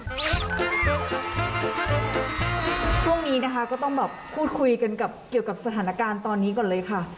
ช่วงนี้นะคะก็ต้องแบบพูดคุยกันกับเกี่ยวกับสถานการณ์ตอนนี้ก่อนเลยค่ะ